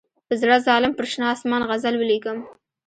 په زړه ظالم پر شنه آسمان غزل ولیکم.